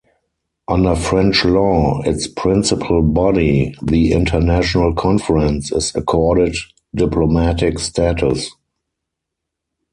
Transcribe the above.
Under French law, its principal body, the International Conference is accorded diplomatic status.